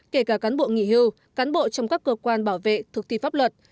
kể cả cán bộ nghỉ hưu cán bộ trong các cơ quan bảo vệ thực thi pháp luật